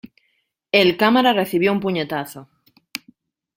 El cámara recibió un puñetazo.